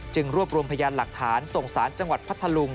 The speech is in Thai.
รวบรวมพยานหลักฐานส่งสารจังหวัดพัทธลุง